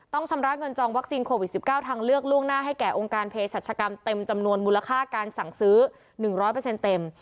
ชำระเงินจองวัคซีนโควิด๑๙ทางเลือกล่วงหน้าให้แก่องค์การเพศรัชกรรมเต็มจำนวนมูลค่าการสั่งซื้อ๑๐๐เต็ม